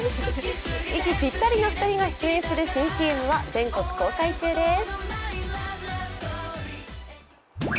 息ぴったりな２人が出演する新ＣＭは全国公開中です。